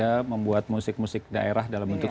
kita membuat musik musik daerah dalam bentuk